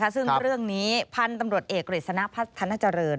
ซึ่งเรื่องนี้พันธุ์ตำรวจเอกกฤษณะพัฒนาเจริญ